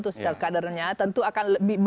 atau kadernya tentu akan lebih